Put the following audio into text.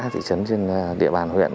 thị trấn trên địa bàn huyện